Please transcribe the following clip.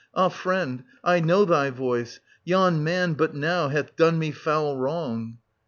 Ah, friend, — I know thy voice, — yon man, but now, hath done me foul wrong.